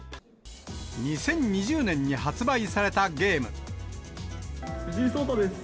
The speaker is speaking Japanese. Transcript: ２０２０年に発売されたゲー藤井聡太です。